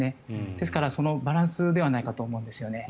ですから、そのバランスではないかと思うんですよね。